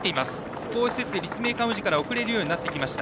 少しずつ立命館宇治から遅れるようになってきました。